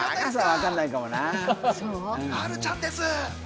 あるちゃんです。